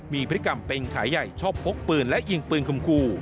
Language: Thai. มีพฤติกรรมเป็นขายใหญ่ชอบพกปืนและยิงปืนคมคู่